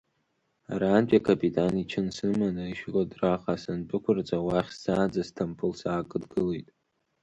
Арантәи акапитан ичын сыманы Ишькодраҟа сандәықәырҵа, уахь сцаанӡа Сҭампыл саакыдгылеит.